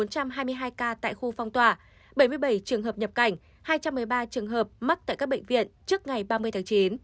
bốn trăm hai mươi hai ca tại khu phong tỏa bảy mươi bảy trường hợp nhập cảnh hai trăm một mươi ba trường hợp mắc tại các bệnh viện trước ngày ba mươi tháng chín